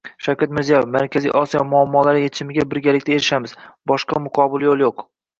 Shavkat Mirziyoyev: “Markaziy Osiyo muammolari yechimiga birgalikda erishamiz. Boshqa muqobil yo‘l yo‘q”